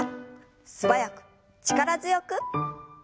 素早く力強く。